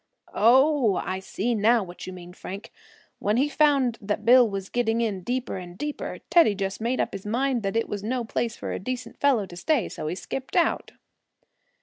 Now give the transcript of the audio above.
"Oh! I see now what you mean, Frank; when he found that Bill was getting in deeper and deeper, Teddy just made up his mind that was no place for a decent fellow to stay, and so he skipped out."